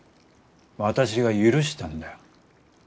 私が許したんだよ。